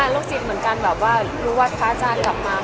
ลูกษินเหมือนกันรู้ว่าพระอาจารย์กลับมา